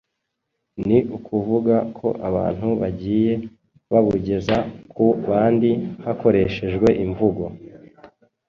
ni ukuvuga ko abantu bagiye babugeza ku bandi hakoreshejwe imvugo